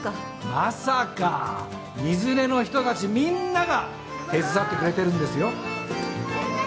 まさか水根の人たちみんなが手伝ってくれてるんですよ。